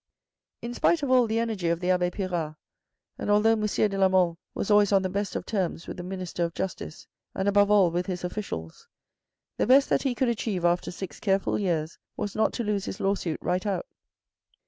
In spite of all the energy of the abbe Pirard, and although M. de la Mle was always on the best of terms with the minister of justice, and above all with his officials, the best that he could achieve after six careful years was not to lose his lawsuit right out.